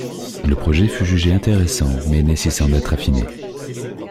Le projet fut jugé intéressant, mais nécessitant d'être affiné.